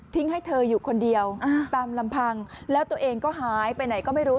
ให้เธออยู่คนเดียวตามลำพังแล้วตัวเองก็หายไปไหนก็ไม่รู้